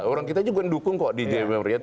orang kita juga mendukung kok di jpm